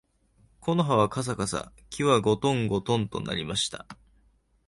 木の葉はかさかさ、木はごとんごとんと鳴りました